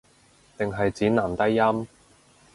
定係指男低音